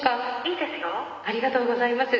ありがとうございます。